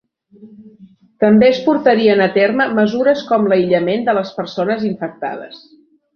També es portarien a terme mesures com l'aïllament de les persones infectades.